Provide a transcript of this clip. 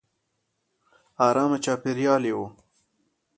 ارامه چاپېریال یې و.